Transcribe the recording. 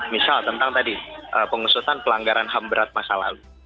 misal tentang tadi pengusutan pelanggaran ham berat masa lalu